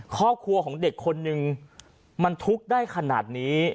ครอบครัวของเด็กคนนึงมันทุกข์ได้ขนาดนี้